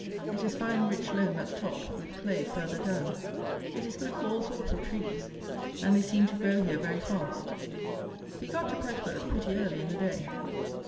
It is fine rich loam at top, with clay further down. It is good for all sorts of trees, and they seem to grow here very fast. We got to Petworth pretty early in the day.